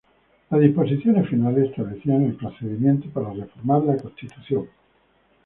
Las disposiciones finales establecían el procedimiento para reformar la Constitución.